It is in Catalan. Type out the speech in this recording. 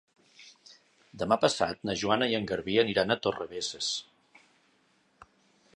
Demà passat na Joana i en Garbí aniran a Torrebesses.